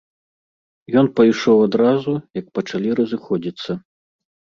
Ён пайшоў адразу, як пачалі разыходзіцца.